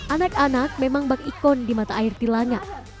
anak anak memang bak ikon di mata air tilanga